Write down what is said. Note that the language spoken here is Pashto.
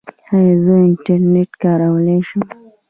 ایا زه انټرنیټ کارولی شم؟